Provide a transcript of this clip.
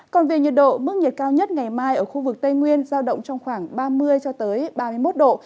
còn về nhiệt độ mức nhiệt cao nhất ngày mai ở khu vực tây nguyên giao động trong khoảng ba mươi ba mươi một độ